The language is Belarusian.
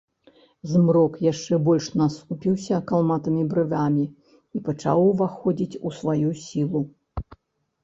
Змрок яшчэ больш насупіўся калматымі брывамі і пачаў уваходзіць у сваю сілу.